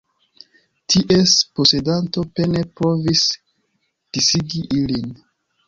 Ties posedanto pene provis disigi ilin.